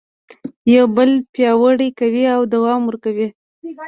یو بل پیاوړي کوي او دوام ورکوي.